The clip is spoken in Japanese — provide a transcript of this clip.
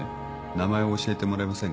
名前を教えてもらえませんか？